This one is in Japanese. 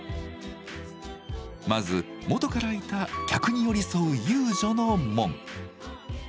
まず元からいた客に寄り添う遊女の紋。